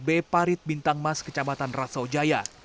b parit bintang mas kecamatan rasaujaya